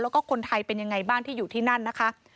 แล้วก็คนไทยเป็นยังไงบ้างที่อยู่ที่นั่นนะคะ